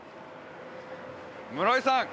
室井さん！